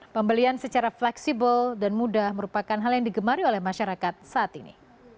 pembelian secara fleksibel dan mudah merupakan hal yang digemari oleh masyarakat saat ini